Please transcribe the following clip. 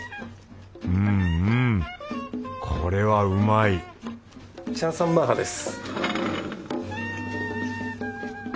うんうんこれはうまいチャンサンマハです。